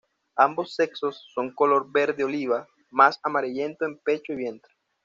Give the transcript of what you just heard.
Ambos sexos son color verde oliva, más amarillento en pecho y vientre.